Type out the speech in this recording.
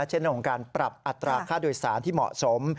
เช่นเรื่องของการปรับอัตราค่าโดยสารที่เหมาะสม